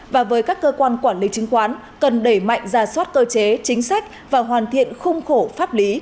và với các cơ quan quản lý chứng khoán cần đẩy mạnh ra soát cơ chế chính sách và hoàn thiện khung khổ pháp lý